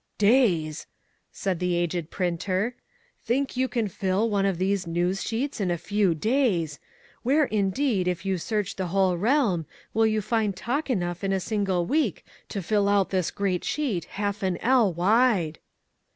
"Days!" said the aged printer, "think you you can fill one of these news sheets in a few days! Where indeed if you search the whole realm will you find talk enough in a single week to fill out this great sheet half an ell wide!"